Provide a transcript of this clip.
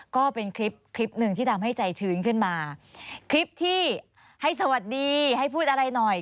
ก็เป็นคลิปคลิปหนึ่งที่ทำให้ใจชื้นขึ้นมาคลิปที่ให้สวัสดีให้พูดอะไรหน่อย